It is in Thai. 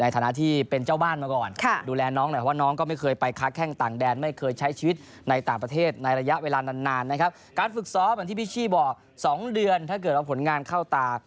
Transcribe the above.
ก็เหมือนที่พิชชีบอก๒เดือนถ้าเกิดเอาผลงานเข้าตา